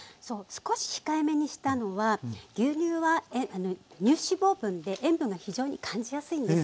少し控えめにしたのは牛乳は乳脂肪分で塩分が非常に感じやすいんです。